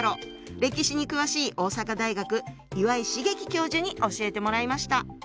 歴史に詳しい大阪大学岩井茂樹教授に教えてもらいました。